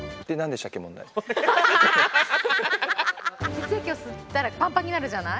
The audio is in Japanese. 血液を吸ったらぱんぱんになるじゃない？